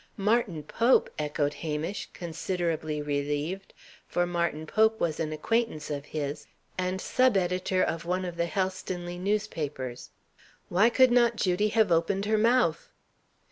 "Martin Pope!" echoed Hamish, considerably relieved, for Martin Pope was an acquaintance of his, and sub editor of one of the Helstonleigh newspapers. "Why could not Judy have opened her mouth?"